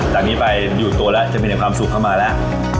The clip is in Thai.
จากนี้ไปอยู่ตัวแล้วจะมีแต่ความสุขเข้ามาแล้ว